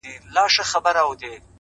د پوهې مینه ذهن تل ځوان ساتي.!